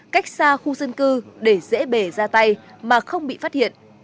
cách xa khu dân cư để dễ bể ra tay mà không bị phát hiện